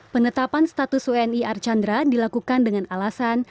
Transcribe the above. penetapan status wni archandra dilakukan dengan alasan